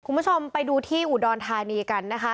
คุณผู้ชมไปดูที่อุดรธานีกันนะคะ